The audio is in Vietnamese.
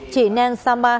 chị nen sama